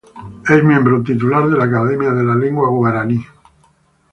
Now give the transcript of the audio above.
Es miembro titular de la Academia de la Lengua Guarani.